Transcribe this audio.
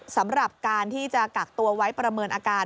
สำหรับการที่จะกักตัวไว้ประเมินอาการ